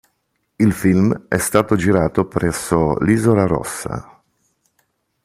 Il film è stato girato presso l'Isola Rossa.